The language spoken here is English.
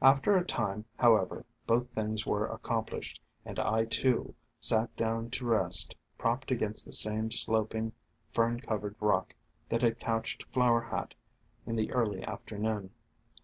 After a time, however, both things were accomplished, and I, too, sat down to rest, propped against the same sloping, Fern cov ered rock that had couched Flower Hat in the early afternoon.